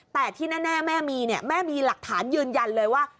แต่ที่แน่แม่มีเนี่ยแม่มีหลักฐานยืนยันเลยว่า